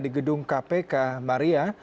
di gedung kpk maria